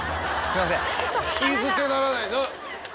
すいません